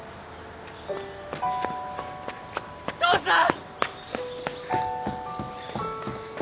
父さん！